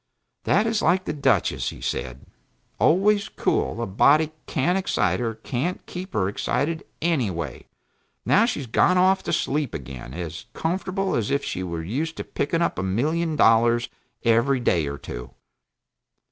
"That is like the Duchess," said he. "Always cool; a body can't excite her can't keep her excited, anyway. Now she has gone off to sleep again, as comfortably as if she were used to picking up a million dollars every day or two."